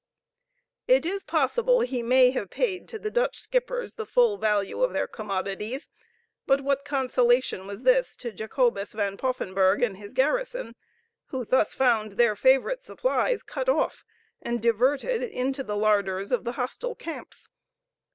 It is possible he may have paid to the Dutch skippers the full value of their commodities, but what consolation was this to Jacobus Van Poffenburgh and his garrison, who thus found their favorite supplies cut off, and diverted into the larders of the hostile camps?